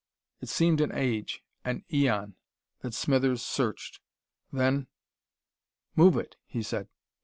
It seemed an age, an aeon, that Smithers searched. Then: "Move it," he said.